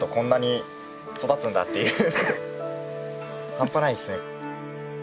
半端ないっすね。